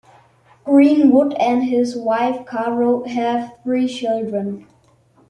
Greenwood and his wife Caro have three children.